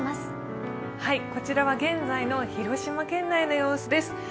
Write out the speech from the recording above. こちらは現在の広島県内の様子です。